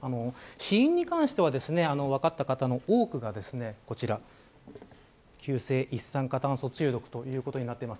死因に関しては分かった方の多くが急性一酸化炭素中毒ということになっています。